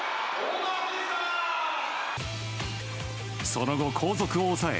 その後、後続を抑え